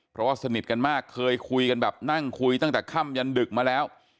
เพราะว่าสนิทกันมากเคยคุยกันแบบนั่งคุยตั้งแต่ค่ำยันดึกมาแล้ว